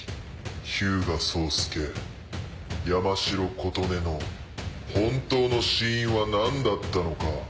日向聡介山城琴音の本当の死因は何だったのか。